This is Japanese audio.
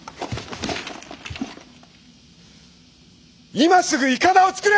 今すぐいかだを作れ！